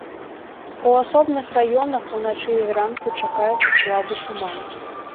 У асобных раёнах уначы і зранку чакаецца слабы туман.